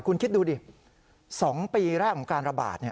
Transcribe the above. คุณคิดดูดิ๒ปีแรกของการระบาด